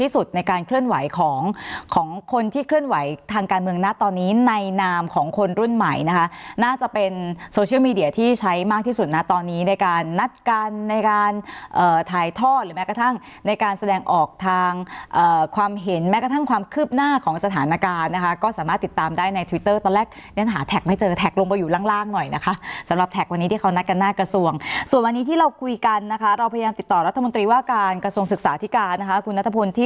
โซเชียลมีเดียที่ใช้มากที่สุดนะตอนนี้ในการนัดการในการถ่ายทอดหรือแม้กระทั่งในการแสดงออกทางความเห็นแม้กระทั่งความคืบหน้าของสถานการณ์นะคะก็สามารถติดตามได้ในทวิตเตอร์ตอนแรกยังหาแท็กไม่เจอแท็กลงไปอยู่ล่างหน่อยนะคะสำหรับแท็กวันนี้ที่เขานัดกันหน้ากระทรวงส่วนวันนี้ที่เราคุยกันนะคะเราพยายามติ